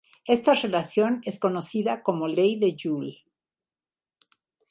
Esta relación es conocida como Ley de Joule.